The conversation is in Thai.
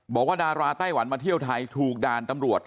บอกว่าดาราไต้หวันมาเที่ยวไทยถูกด่านตำรวจ